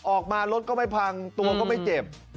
ออกมารถก็ไม่พังตัวก็ไม่เจ็บ